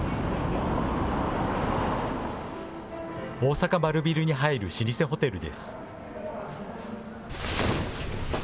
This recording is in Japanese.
大阪マルビルに入る老舗ホテルです。